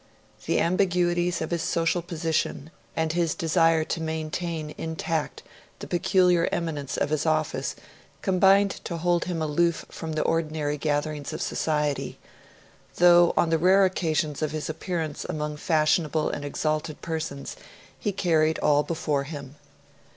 The ambiguities of his social position, and his desire to maintain intact the peculiar eminence of his office, combined to hold him aloof from the ordinary gatherings of society, though on the rare occasions of his appearance among fashionable and exalted persons, he carried all before him.